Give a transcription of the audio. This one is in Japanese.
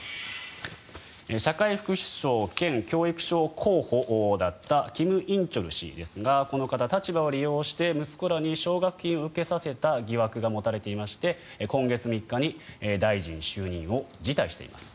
社会副首相兼教育相候補だったキム・インチョル氏ですがこの方、立場を利用して息子らに奨学金を受けさせた疑惑が持たれていまして今月３日に大臣就任を辞退しています。